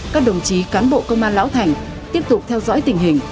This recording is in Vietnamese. các đồng chí cán bộ công an lão thành tiếp tục theo dõi tình hình